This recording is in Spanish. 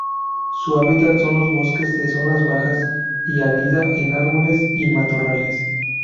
Su hábitat son los bosques de zonas bajas, y anida en árboles y matorrales.